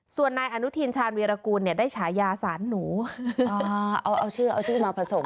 ส่วนนายอนุทีนชาญเวียรกูลเนี่ยได้ฉายาสานหนูอ่าเอาเอาชื่อเอาชื่อมาผสม